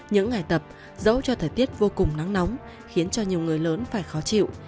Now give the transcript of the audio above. những ngày tập dẫu cho thời tiết vô cùng nắng nóng khiến cho nhiều người lớn phải khó chịu